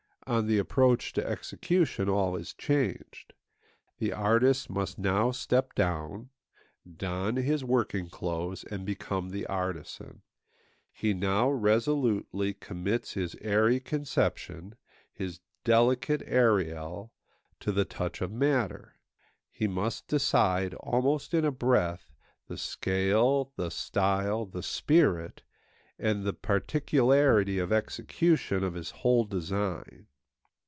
On the approach to execution all is changed. The artist must now step down, don his working clothes, and become the artisan. He now resolutely commits his airy conception, his delicate Ariel, to the touch of matter; he must decide, almost in a breath, the scale, the style, the spirit, and the particularity of execution of his whole design.